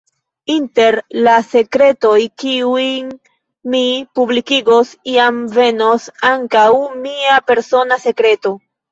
Inter la sekretoj kiujn mi publikigos, iam venos ankaŭ mia persona sekreto.